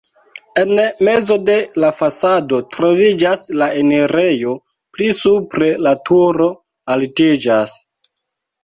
En mezo de la fasado troviĝas la enirejo, pli supre la turo altiĝas.